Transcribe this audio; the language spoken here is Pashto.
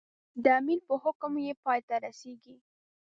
د امیر په حکم یې پای ته رسېږي.